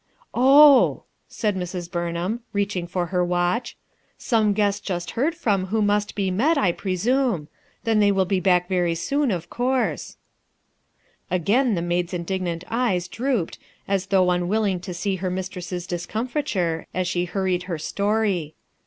"Oh," said Mrs. Burnham, reaching for her watch. "Some guest just heard from who must be met, I presume. Then they will be back very soon, of course." 150 RUTH ERSKINE'S SON Again the maid's indignant eyes drooped though unwilling to see her mistress's r eorafiture as she hurried her story.